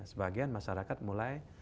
sebagian masyarakat mulai